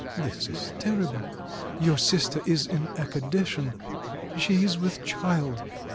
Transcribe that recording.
"This is terrible! Your sister is in a condition. ... She is with child.